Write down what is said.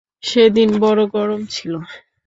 সেদিন বড়ো গরম ছিল।